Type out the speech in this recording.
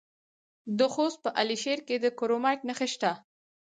د خوست په علي شیر کې د کرومایټ نښې شته.